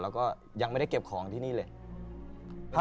แล้วก็ยังไม่ได้เก็บของที่นี่เลย